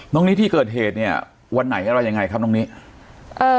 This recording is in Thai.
น้องนิที่เกิดเหตุเนี้ยวันไหนอะไรยังไงครับน้องนิเอ่อ